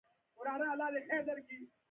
افغان که په تن بېوزله وي، په زړه شتمن وي.